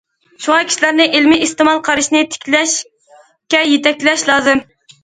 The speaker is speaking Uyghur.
شۇڭا كىشىلەرنى ئىلمىي ئىستېمال قارىشىنى تىكلەشكە يېتەكلەش لازىم.